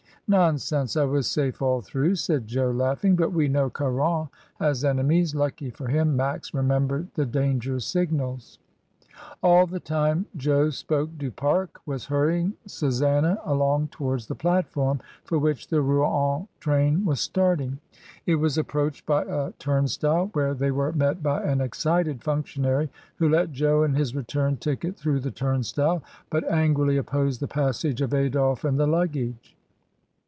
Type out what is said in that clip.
"Nonsense! I was safe all through," said Jo laughing, "but we know Caron has enemies. Lucky for him Max remembered the danger signals." All the time Jo spoke Du Pare was hurrying Su sanna along towards the platform for which the Rouen train was starting. It was approached by a turnstile, where they were met by an excited func tionary who let Jo and his return ticket through the turnstile, but angrily opposed the passage of Adolphe and the luggage.